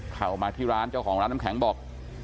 เข้ามาที่ร้านเจ้าของร้านน้ำแข็งบอก